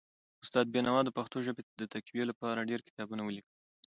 استاد بینوا د پښتو ژبې د تقويي لپاره ډېر کتابونه ولیکل.